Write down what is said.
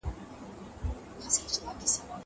سبزېجات د مور له خوا وچول کيږي!!